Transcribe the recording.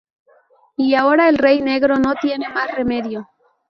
Y ahora el rey negro no tiene más remedio.